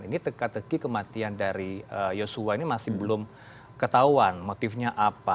ini teka teki kematian dari yosua ini masih belum ketahuan motifnya apa